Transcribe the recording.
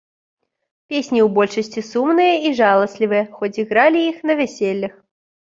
Песні ў большасці сумныя і жаласлівыя, хоць і гралі іх на вяселлях.